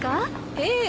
ええ。